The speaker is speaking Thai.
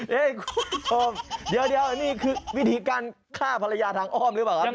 คุณผู้ชมเดี๋ยวนี่คือวิธีการฆ่าภรรยาทางอ้อมหรือเปล่าครับ